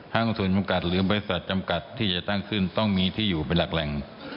ห้างส่วนจำกัดหรือบริษัทจำกัดที่จะตั้งขึ้นต้องมีที่อยู่ไปรักแรง